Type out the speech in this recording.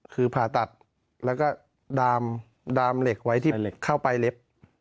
คือผ่าตัดแล้วก็ดามเหล็กไว้ที่เข้าไปเล็บ